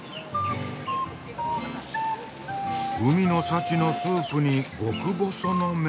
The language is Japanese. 海の幸のスープに極細の麺。